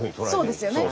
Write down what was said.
そうですよね。